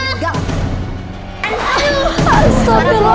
suamiku mah emang harus keluar sih